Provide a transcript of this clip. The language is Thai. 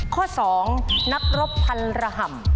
ข้อ๒นักรบพันระห่ำ